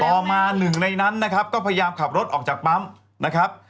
ต่อมาหนึ่งในนั้นนะครับก็พยายามขับรถออกจากปั๊มนะครับ